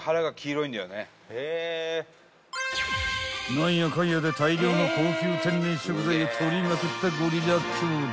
［何やかんやで大量の高級天然食材を獲りまくったゴリラ兄弟］